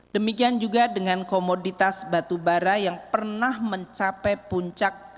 demikian juga dengan komoditas batubara yang pernah mencapai puncak